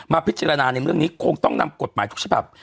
พิจารณาในเรื่องนี้คงต้องนำกฎหมายทุกฉบับ